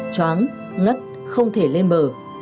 chóng ngất không thể lên bờ